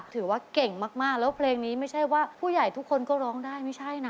ถือว่าเก่งมากแล้วเพลงนี้ไม่ใช่ว่าผู้ใหญ่ทุกคนก็ร้องได้ไม่ใช่นะ